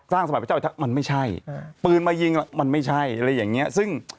สร้างสมัครเจ้าเอกทัศน์มันไม่ใช่อ่าปืนมายิงมันไม่ใช่อะไรอย่างเงี้ยซึ่ง